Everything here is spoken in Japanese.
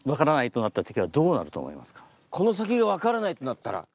この先が分からないとなったら。